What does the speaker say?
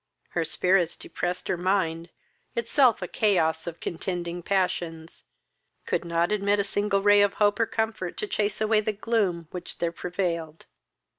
Her spirits depressed her mind, itself a chaos of contending passions, could not admit a single ray of hope or comfort to chase away the gloom which there prevailed.